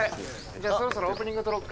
じゃあそろそろオープニング撮ろっか。